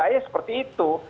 kalau saya seperti itu